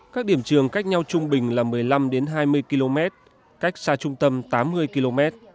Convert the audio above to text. các điểm trường cách nhau trung bình là một mươi năm hai mươi km cách xa trung tâm tám mươi km